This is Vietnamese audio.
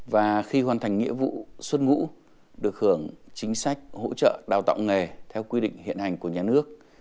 và khi hoàn thành nghĩa vụ xuất ngũ được hưởng chính sách hỗ trợ đào tạo nghề theo quy định hiện hành của nhà nước